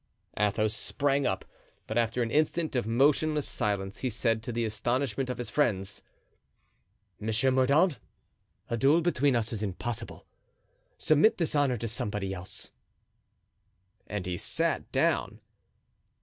Athos sprang up, but after an instant of motionless silence he said, to the astonishment of his friends, "Monsieur Mordaunt, a duel between us is impossible. Submit this honour to somebody else." And he sat down.